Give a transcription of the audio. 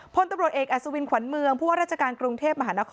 พลตำรวจเอกอัศวินขวัญเมืองผู้ว่าราชการกรุงเทพมหานคร